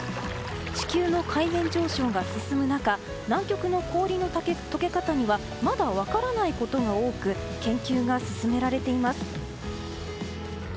地球の海面上昇が進む中南極の氷の解け方にはまだ分からないことが多く研究が進められています。